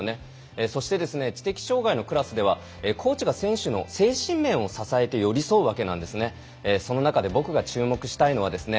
そして、知的障がいのクラスではコーチが選手の精神面を支えて寄り添うわけなんですね。